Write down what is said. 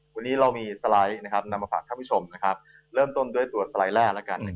วันนี้เรามีสไลด์นำมาฝากท่านผู้ชมเริ่มต้นด้วยตัวสไลด์แรกแล้วกัน